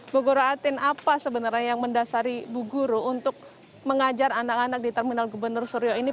bu guru atin apa sebenarnya yang mendasari bu guru untuk mengajar anak anak di terminal gubernur suryo ini